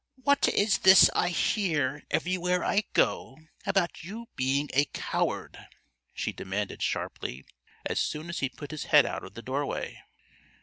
"What is this I hear everywhere I go about you being a coward?" she demanded sharply, as soon as he put his head out of the doorway.